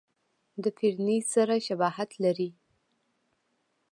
د فرني سره شباهت لري.